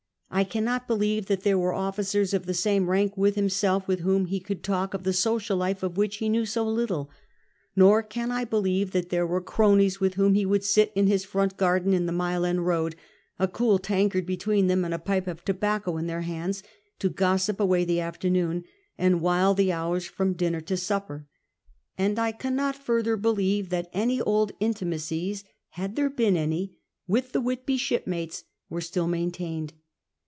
I cannot believe that there were officers of the same rank with hini' self with whom ho could talk of the social life of which ho knew so little; nor can I believe tliat there were cronies with whom he would sit in his front garden in the Mile End lioad, a cool tankard between them and a pipe of tobacco in their hands, to gossip away th^ after noon, and while the hours from dinner to supper. And I cannot, further, believe that any old intimacies — had there been any — with the Whitby shipmates were still maintained.